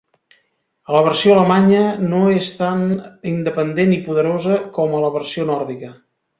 A la versió alemanya no és tan independent i poderosa com a la versió nòrdica.